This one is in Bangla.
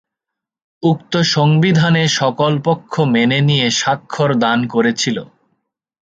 উক্ত সংবিধানে সকল পক্ষ মেনে নিয়ে স্বাক্ষর দান করেছিল।